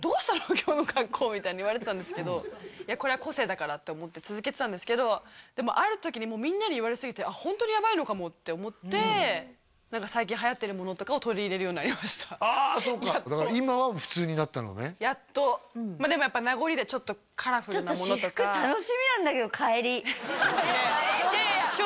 今日の格好」みたいに言われてたんですけどいやこれは個性だからって思って続けてたんですけどあるときにみんなに言われすぎてホントにヤバいのかもって思って最近はやってるものとかを取り入れるようになりましたああそうかだから今は普通になったのねやっとでもやっぱ名残でちょっとカラフルなものとかちょっといやいやいや今日